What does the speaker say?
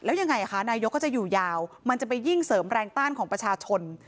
แล้วยังไงคะนายกก็จะอยู่ยาวมันจะไปยิ่งเสริมแรงต้านของประชาชน